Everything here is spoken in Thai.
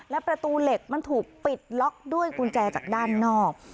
และประตูเหล็กมันถูกปิดล็อกด้วยกุญแจจากด้านนอก